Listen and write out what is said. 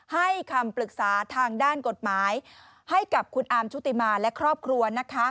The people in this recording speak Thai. ให้คำปรึกษาทางด้านกฎหมายให้กับคุณอาร์มชุติมาและครอบครัว